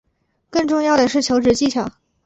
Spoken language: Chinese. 更重要的是求职技巧